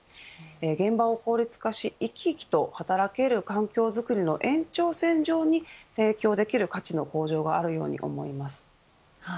現場を効率化し生き生きと働ける環境作りの延長線上に提供できる価値の向上があるように思います。